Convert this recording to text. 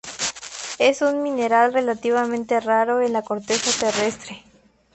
Es un mineral relativamente raro en la corteza terrestre.